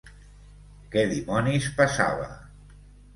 Què dimonis passava